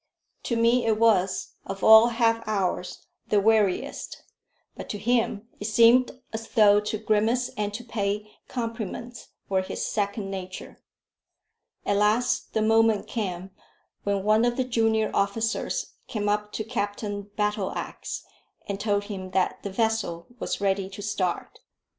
To me it was of all half hours the weariest, but to him it seemed as though to grimace and to pay compliments were his second nature. At last the moment came when one of the junior officers came up to Captain Battleax and told him that the vessel was ready to start.